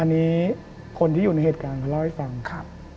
อันนี้คนที่อยู่ในเหตุการณ์เขาเล่าให้ฟังครับ